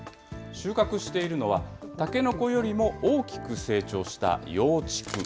収穫しているのは、タケノコよりも大きく成長した幼竹。